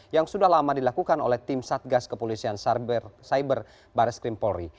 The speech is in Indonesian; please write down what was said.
yang sudah lama dilakukan oleh tim satgas kepolisian cyber baris krim polri